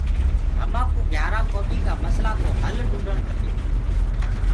همآ ڪو گھيآرآ ڪومي ڪآ مسلآ ڪو هل ڍونڊڻ کپي۔